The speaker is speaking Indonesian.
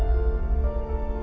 saya tidak tahu